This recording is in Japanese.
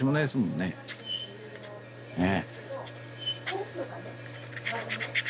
ねえ。